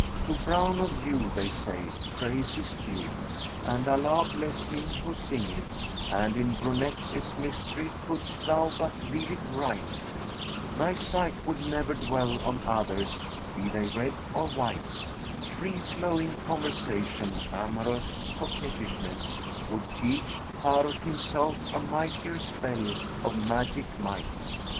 To 'brown of hue (they say) praise is due;' and Allah bless him who singeth, 'And in brunettes is mystery, could'st" thou but read it right, * Thy sight would never dwell on others, be they red or white: Free flowing conversation, amorous coquettishness * Would teach Hбrut himself a mightier spell of magic might.'